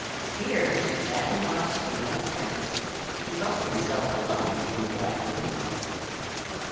Here she sat and watched the young prince, who thought himself alone in the bright moonlight.